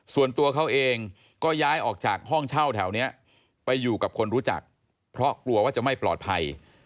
ส่วนตัวเขาเองก็ย้ายออกจากห้องเช่าแถวนี้ไปอยู่กับคนรู้จักเพราะกลัวว่าจะไม่ปลอดภัย